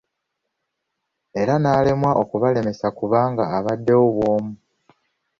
Era n'alemwa okubalemesa kubanga abaddewo bwomu.